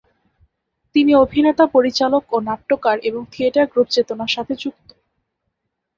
তিনি অভিনেতা-পরিচালক ও নাট্যকার এবং থিয়েটার গ্রুপ চেতনার সাথে যুক্ত।